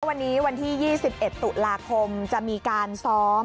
วันนี้วันที่๒๑ตุลาคมจะมีการซ้อม